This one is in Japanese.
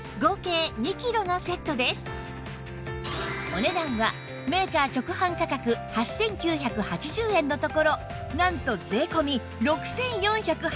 お値段はメーカー直販価格８９８０円のところなんと税込６４８０円